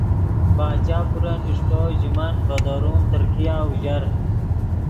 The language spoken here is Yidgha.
باچا پورن اݰٹو ژے من ڤے دورون ترکیا اوژر